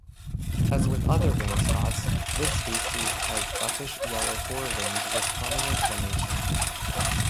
As with other "wainscots", this species has buffish-yellow forewings with prominent venation.